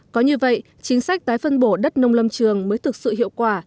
có như vậy chính sách tái phân bổ đất nông lâm trường mới thực sự hiệu quả